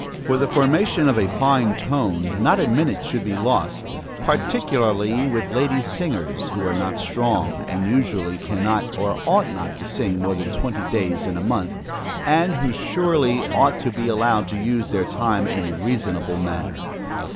For the formation of a fine tone, not a minute should be lost, particularly with lady singers, who are not strong, and usually cannot or ought not to sing more than twenty days in a month, and who surely ought to be allowed to use their time in a reasonable manner.